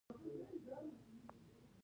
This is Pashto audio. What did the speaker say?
دوی د پور ورکولو له لارې نور استثمارول.